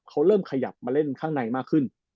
เขาเริ่มขยับมาเล่นข้างในมากขึ้น